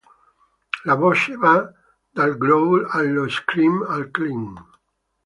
La voce va dal growl allo scream al clean.